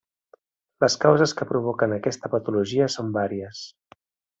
Les causes que provoquen aquesta patologia són vàries.